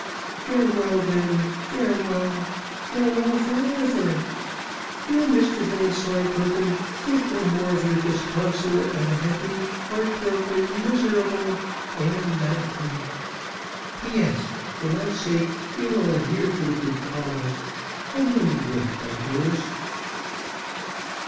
"Farewell, then, farewell! Farewell for ever! Dear Mr Vanslyperken, think no more of your disconsolate, unhappy, heart broken, miserable "ANN MALCOLM. "P.S. For my sake you will adhere to the good cause; I know you will, my dearest."